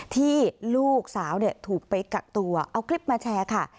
ที่ลูกสาวถูกไปกักตัวเอาคลิปมาแชร์ค่ะ